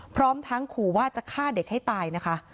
พร้อมทั้งขู่ว่าจะฆ่าเด็กให้ตายนะคะ